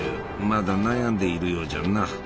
まだ悩んでいるようじゃな。